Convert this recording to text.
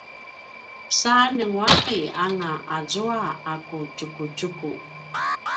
sa ljengua’ianga azua a ku tjukutjuku